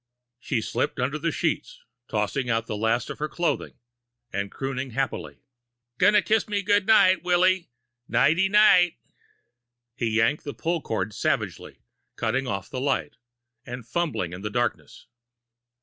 She slipped under the sheets, tossing out the last of her clothing, and crooning happily. "Gotta kiss me good night, Willy. Nighty night!" He yanked the pull cord savagely, cutting off the light, and fumbling in the darkness.